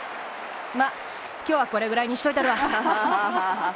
まあ、今日はこれぐらいにしといたるわ。